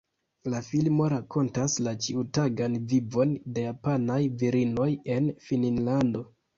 La filmo rakontas la ĉiutagan vivon de japanaj virinoj en Finnlando.